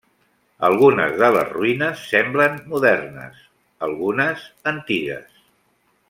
Algunes de les ruïnes semblen modernes, algunes antigues.